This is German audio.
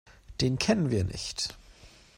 Den kennen wir nicht.